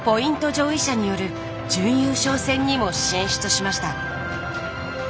上位者による準優勝戦にも進出しました。